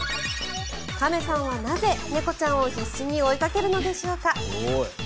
亀さんはなぜ、猫ちゃんを必死に追いかけるのでしょうか。